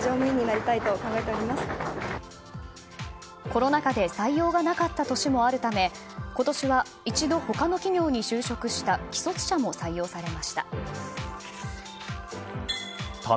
コロナ禍で採用がなかった年もあるため今年は、一度他の企業に就職した既卒者も採用されました。